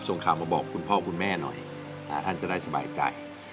ส่งข่าวมาบอกคุณพ่อคุณแม่หน่อยท่านจะได้สบายใจ